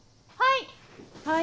・はい！